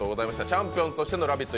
チャンピオンとしての「ラヴィット！」